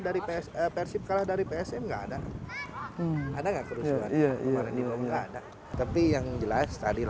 dari psp persib kalah dari psm gak ada ada enggak kerusuhan iya ini belum ada tapi yang jelas tadi